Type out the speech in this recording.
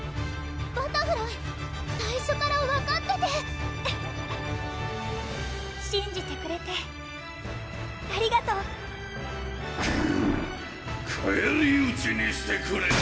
バタフライ最初から分かっててしんじてくれてありがとうクッ返りうちにしてくれる！